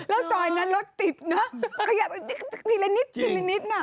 แล้วซอยนั้นรถติดเนอะขยับไปทีละนิดทีละนิดน่ะ